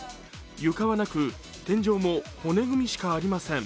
床はなく天井も骨組みしかありません。